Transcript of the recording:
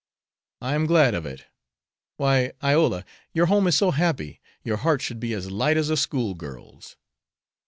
"I am glad of it. Why, Iola, your home is so happy your heart should be as light as a school girl's."